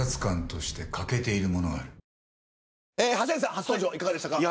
初登場いかがでしたか。